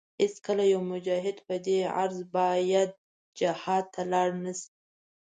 هېڅکله يو مجاهد په دې غرض باید جهاد ته لاړ نشي.